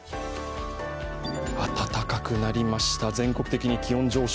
暖かくなりました、全国的に気温上昇。